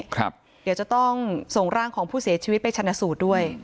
เดี๋ยวจะต้องส่งร่างของผู้เสียชีวิตไปชนะสูตรด้วย